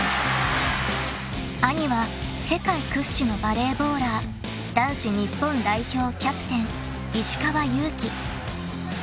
［兄は世界屈指のバレーボーラー男子日本代表キャプテン石川祐希］